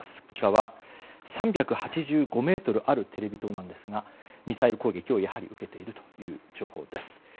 こちらは、３８５ｍあるテレビ塔ですがミサイル攻撃をやはり受けているという情報です。